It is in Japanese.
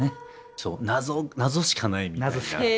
そう謎しかないみたいな。